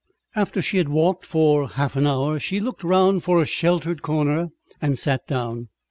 After she had walked for half an hour she looked round for a sheltered corner and sat down.